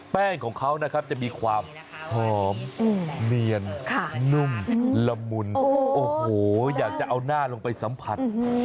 แป้งของเขานะครับจะมีความหอมเนียนนุ่มละมุนโอ้โหอยากจะเอาหน้าลงไปสัมผัส